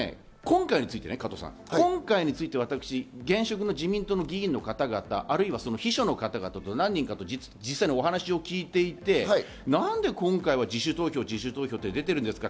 加藤さん、今回について私、現職の自民党の議員の方、あるいは秘書の方と何人か実際にお話を聞いていて、なんで今回は自主投票、自主投票って出てるんですか？